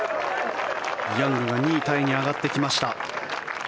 ヤングが２位タイに上がってきました。